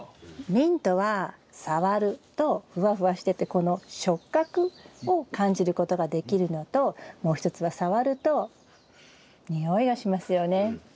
ミントは触るとふわふわしててこの触覚を感じることができるのともう一つは触ると匂いがしますよね。